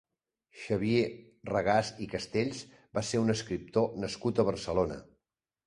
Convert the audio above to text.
Xavier Regàs i Castells va ser un escriptor nascut a Barcelona.